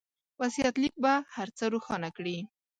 وصيت ليک به هر څه روښانه کړي.